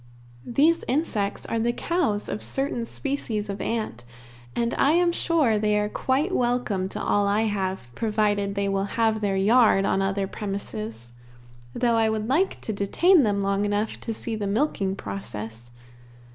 These insects are the cows of a certain species of ant, and I am sure they are quite welcome to all I have, provided they will have their yard on other premises, though I would like to detain them long enough to see the milking process.